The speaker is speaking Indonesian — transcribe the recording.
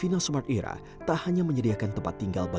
itu anak mau dibuang coba